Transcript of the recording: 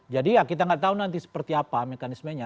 jadi kita tidak tahu nanti seperti apa mekanismenya